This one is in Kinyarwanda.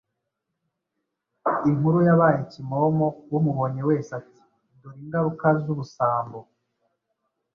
inkuru yabaye kimomo umubonye wese ati: “Dore ingaruka z’ubusambo.”